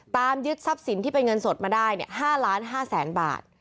ตามยึดทรัพย์สินที่เป็นเงินสดมาได้ห้าล้านห้าแสนบาท